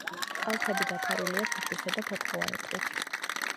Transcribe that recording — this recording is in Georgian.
კალთები დაფარულია ფიჭვისა და ფოთლოვანი ტყით.